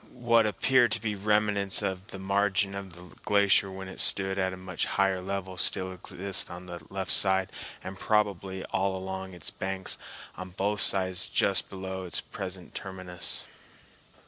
What appear to be remnants of the margin of the glacier when it stood at a much higher level still exist on the left side and probably all along its banks on both sides just below its present terminus.